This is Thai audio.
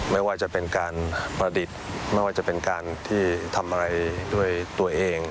ไม่ว่าจะเป็นการประดิษฐ์ไม่ว่าจะเป็นการที่ทำอะไรด้วยตัวเอง